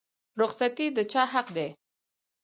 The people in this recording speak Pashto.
رخصتي د چا حق دی؟